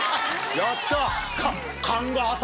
やった！